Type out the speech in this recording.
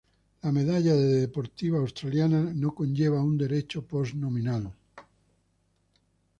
La Medalla de Deportiva Australiana no conlleva un derecho post-nominal.